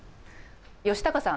吉高さん